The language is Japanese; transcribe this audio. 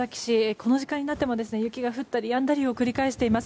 この時間になっても雪が降ったりやんだりを繰り返しています。